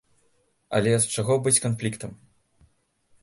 Але з чаго быць канфліктам?